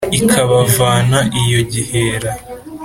Ikabavana iyo gihera